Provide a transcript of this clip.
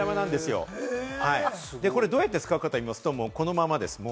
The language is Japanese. どうやって使うかといいますと、このままです。